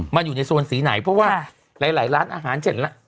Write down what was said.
มันอยู่ในโซนสีไหนเพราะว่าหลายร้านอาหาร๗